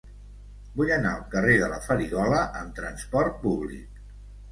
Vull anar al carrer de la Farigola amb trasport públic.